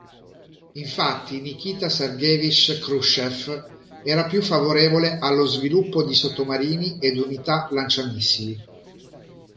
Infatti, Nikita Sergeevič Chruščёv era più favorevole allo sviluppo di sottomarini ed unità lanciamissili.